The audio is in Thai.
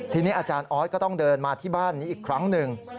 ทีนี้อาจารย์ออสก็ต้องเดินมาที่บ้านนี้อีกครั้งหนึ่ง